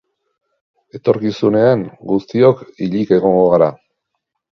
Etorkizunean guztiok hilik egongo gara.